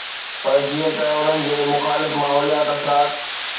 پر جيئن ته انهن جي مخالف ماحوليات اثرات